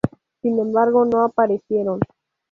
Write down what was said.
Sin embargo, no aparecieron.